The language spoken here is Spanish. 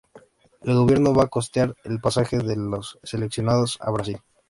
El gobierno va costear el pasaje de los seleccionados a Brasil.